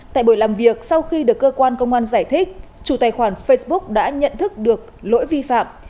tại buổi làm việc sau khi được cơ quan công an giải thích chủ tài khoản facebook đã nhận thức được lỗi vi phạm